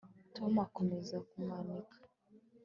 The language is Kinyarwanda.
Tom akomeza kumanika